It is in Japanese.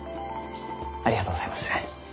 ありがとうございます。